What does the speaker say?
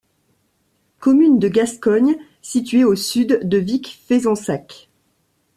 Commune de Gascogne située au sud de Vic-Fezensac.